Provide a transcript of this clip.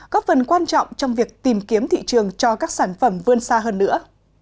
giữ thị trường cho các sản phẩm vươn xa hơn nữa